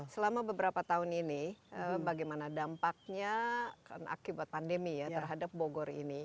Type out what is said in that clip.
selama beberapa tahun ini bagaimana dampaknya akibat pandemi ya terhadap bogor ini